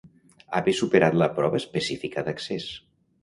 Haver superat la prova específica d'accés.